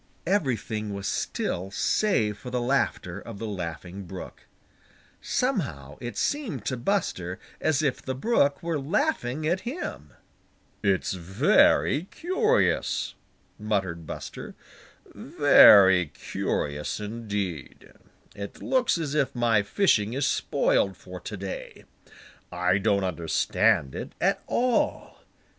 Everything was still save for the laughter of the Laughing Brook. Somehow, it seemed to Buster as if the Brook were laughing at him. "It's very curious," muttered Buster, "very curious indeed. It looks as if my fishing is spoiled for to day. I don't understand it at all.